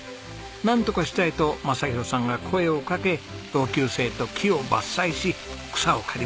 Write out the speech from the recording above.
なんとかしたいと雅啓さんが声を掛け同級生と木を伐採し草を刈りました。